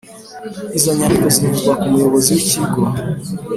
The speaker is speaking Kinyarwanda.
Izo nyandiko zinyuzwa ku muyobozi w’ikigo